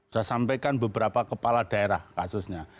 saya sampaikan beberapa kepala daerah kasusnya